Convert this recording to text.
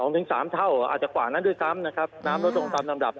๒๓เท่าอาจจะกว่านั้นด้วยซ้ำน้ำมันต้องตามตามดับ